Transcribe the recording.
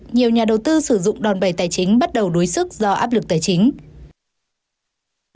nhiều nhà đầu tư sử dụng đòn bày tài chính bắt đầu đuối sức do áp lực tài chính